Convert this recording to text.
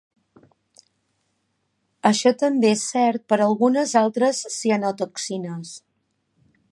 Això també és cert per algunes altres cianotoxines.